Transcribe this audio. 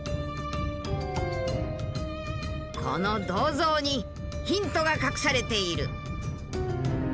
この銅像にヒントが隠されている。